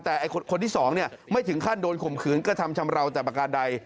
แต่คนที่๒ไม่ถึงขั้นโดนข่มขืนกระทำชำราวแตบระกาศใด